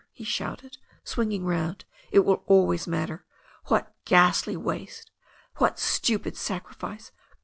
he shouted, swinging round. "It will always matter I That ghastly waste ! That stupid sacrifice